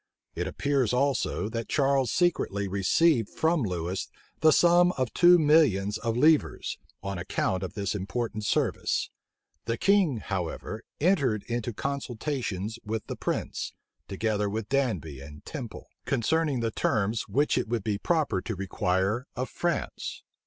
It appears also, that Charles secretly received from Lewis the sum of two millions of livres on account of this important service.[*] * Sir John Dalrymple's Appendix, p. 112. The king, however, entered into consultations with the prince, together with Danby and Temple, concerning the terms which it would be proper to require of France.